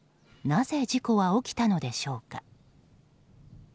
なぜ事故は起きたのでしょうか。